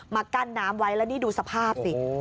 กั้นน้ำไว้แล้วนี่ดูสภาพสิ